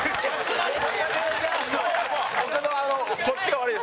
こっちが悪いんです。